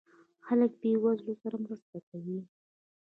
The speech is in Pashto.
خلک له بې وزلو سره مرسته کوي.